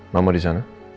mama di sana